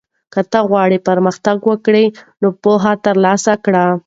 که ته غواړې پرمختګ وکړې نو پوهه ترلاسه کړه.